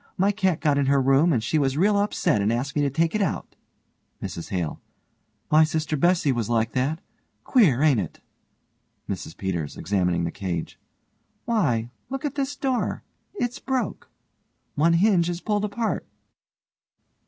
My cat got in her room and she was real upset and asked me to take it out. MRS HALE: My sister Bessie was like that. Queer, ain't it? MRS PETERS: (examining the cage) Why, look at this door. It's broke. One hinge is pulled apart.